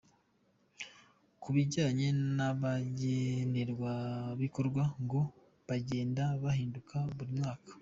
Ku bijyanye n’abagenerwabikorwa ngo bagenda bahinduka buri mwaka.